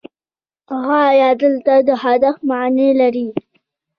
غایه دلته د هدف معنی لري.